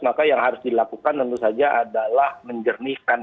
maka yang harus dilakukan tentu saja adalah menjernihkan